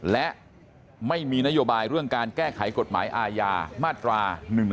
และไม่มีนโยบายเรื่องการแก้ไขกฎหมายอาญามาตรา๑๑๒